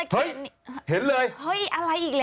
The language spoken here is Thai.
เห้ยเห็นเลย